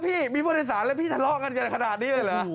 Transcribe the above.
พี่มีผู้โดยสารแล้วพี่ทะเลาะกันกันขนาดนี้เลยเหรอ